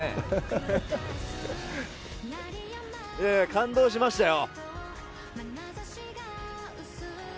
いや、感動しましたよ。